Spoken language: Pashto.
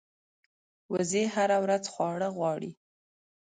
وزې هره ورځ خواړه غواړي